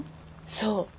そう。